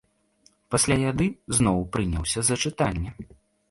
Пасля яды зноў прыняўся за чытанне.